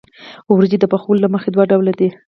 وریجې د پخولو له مخې دوه ډوله دي.